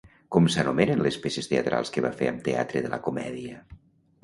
Com s'anomenen les peces teatrals que va fer amb Teatre de la Comèdia?